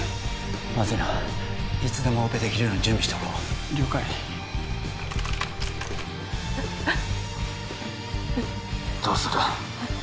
まずいないつでもオペできるように準備しておこう了解うっうっどうする？